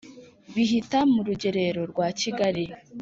Bihita mu Rugerero rwa Kigali